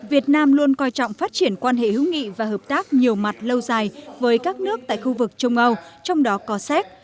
việt nam luôn coi trọng phát triển quan hệ hữu nghị và hợp tác nhiều mặt lâu dài với các nước tại khu vực trung âu trong đó có séc